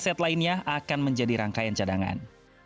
sementara empat trainset lainnya akan menjadi rangkaian cadangan